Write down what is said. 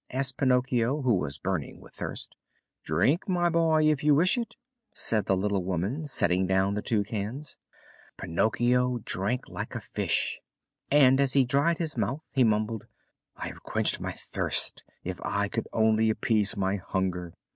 asked Pinocchio, who was burning with thirst. "Drink, my boy, if you wish it!" said the little woman, setting down the two cans. Pinocchio drank like a fish, and as he dried his mouth he mumbled: "I have quenched my thirst. If I could only appease my hunger!"